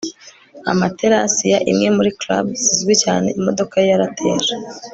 amaterasi ya imwe muri clubs zizwi cyane. imodoka ye yarateje